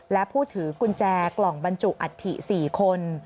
และผู้ถือกุญแจกล่องบรรจุอัฐิ๔คน